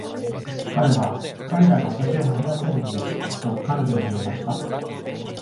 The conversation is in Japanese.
彼は「彼らが私を走らせるんです」と彼女に言いました。